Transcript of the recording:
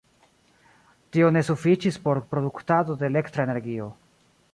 Tio ne sufiĉis por produktado de elektra energio.